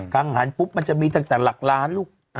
ังหันปุ๊บมันจะมีตั้งแต่หลักล้านลูก